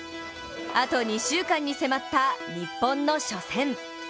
あと２週間に迫った日本の初戦。